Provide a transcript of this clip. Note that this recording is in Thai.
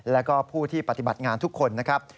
แล้วก็ผู้ที่ปฏิบัติงานทุกคนนะครับ